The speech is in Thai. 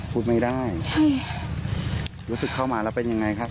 พูดไม่ได้ใช่ค่ะรู้สึกเข้ามาแล้วเป็นยังไงครับ